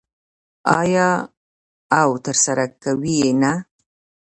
آیا او ترسره کوي یې نه؟